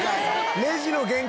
レジの限界